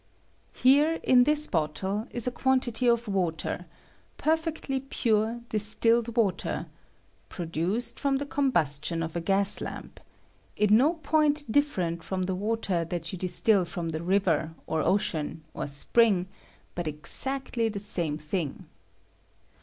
Here, in this bottle, is a quan tity of water — perfectly pure, distilled water, produced from the combustion of a gas lamp— in, no point different from the water that yon distOl &om the river, or ocean, or spring, but exactly the same thing.